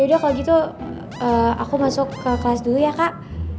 yaudah kalau gitu aku masuk ke kelas dulu ya kak